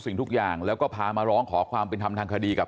สิ่งทุกอย่างแล้วก็พามาร้องขอความเป็นธรรมทางคดีกับ